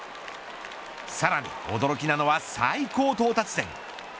さらに驚きなのは最高到達点。